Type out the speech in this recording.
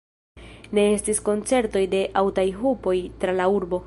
Ne estis koncertoj de aŭtaj hupoj tra la urbo.